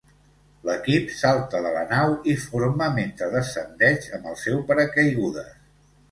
L'equip salta de la nau i forma mentre descendeix amb el seu paracaigudes.